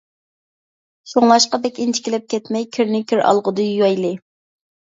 شۇڭلاشقا بەك ئىنچىكىلەپ كەتمەي كىرنى كىرئالغۇدا يۇيايلى!